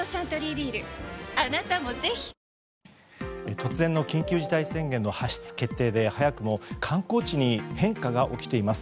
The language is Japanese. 突然の緊急事態宣言発出決定で早くも観光地に変化が起きています。